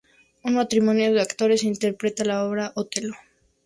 Un matrimonio de actores interpreta la obra "Otelo".